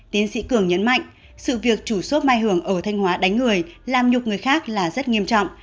tiến sĩ cường nhấn mạnh sự việc chủ xốp mai hường ở thanh hóa đánh người làm nhục người khác là rất nghiêm trọng